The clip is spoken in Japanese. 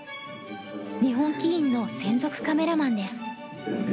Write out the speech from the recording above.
日本棋院の専属カメラマンです。